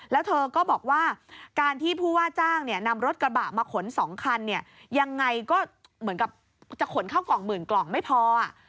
แล้วเธอก็บอกว่าการที่ผู้ว่าจ้างเนี่ยนำรถกระบะมาขน๒คันเนี่ยยังไงก็เหมือนกับจะขนเข้ากล่องหมื่นกล่องไม่พอ